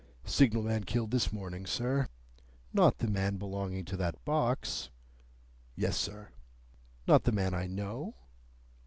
"Signal man killed this morning, sir." "Not the man belonging to that box?" "Yes, sir." "Not the man I know?"